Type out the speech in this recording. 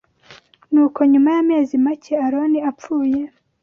Nuko nyuma y’amezi make Aroni apfuye